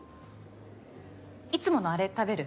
いつものあれ食べる？